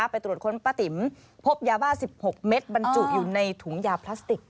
ไปตรวจค้นป้าติ๋มพบยาบ้า๑๖เม็ดบรรจุอยู่ในถุงยาพลาสติก